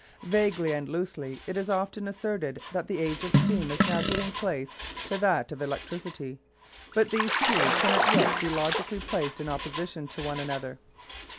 Vaguely and loosely it is often asserted that the age of steam is now giving place to that of electricity; but these two cannot yet be logically placed in opposition to one another.